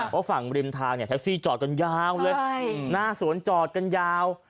เพราะฝั่งริมทางเนี่ยแท็กซี่จอดกันยาวเลยหน้าสวนจอดกันยาว